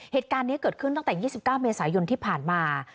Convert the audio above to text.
เหตุการณ์นี้เกิดขึ้นตั้งแต่๒๙เมษายนที่ผ่านมา